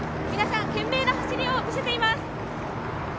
皆さん、賢明な走りを見せています。